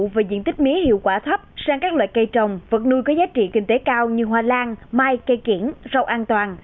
và diện tích mía hiệu quả thấp sang các loại cây trồng vật nuôi có giá trị kinh tế cao như hoa lan mai cây kiển rau an toàn